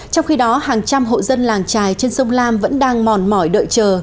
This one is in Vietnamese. trong khi đó hàng trăm hộ dân làng trài trên sông lam vẫn đang mòn mỏi đợi chờ